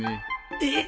えっ。